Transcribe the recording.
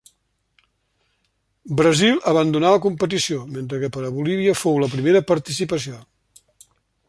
Brasil abandonà la competició, mentre que per a Bolívia fou la primera participació.